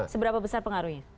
seberapa besar pengaruhnya